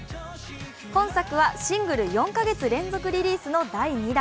本作はシングル４か月連続リリースの第２弾。